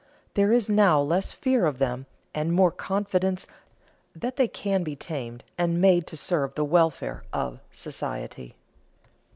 There is now less fear of them, and more confidence that they can be tamed and made to serve the welfare of society.